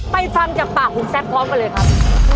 ไปฟังจากปากของแสกพร้อมกันเลยครับ